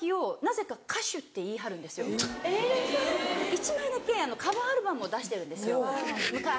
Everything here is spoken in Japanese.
１枚だけカバーアルバムを出してるんですよ昔。